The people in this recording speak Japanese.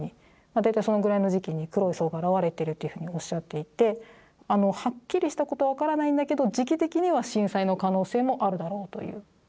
大体そのぐらいの時期に黒い層が現れてるというふうにおっしゃっていてはっきりしたこと分からないんだけど時期的には震災の可能性もあるだろうという。